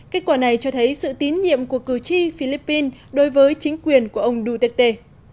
kết quả này cho thấy sự tín nhiệm của cử tri philippines đối với chính quyền của ông duterte